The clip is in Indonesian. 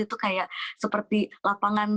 itu kayak seperti lapangan